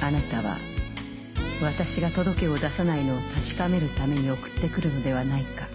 あなたは私が届けを出さないのを確かめるために送ってくるのではないか。